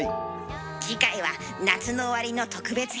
次回は夏の終わりの特別編。